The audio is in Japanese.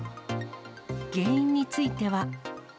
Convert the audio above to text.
原因については。